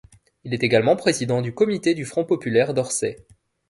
Il est également président du comité du Front Populaire d'Orsay.